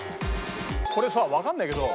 これさわかんないけど。